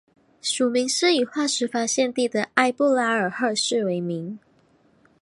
属名是以化石发现地的埃布拉赫市为名。